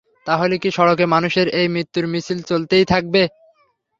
তাহলে কি সড়কে মানুষের এই মৃত্যুর মিছিল চলতেই থাকবে?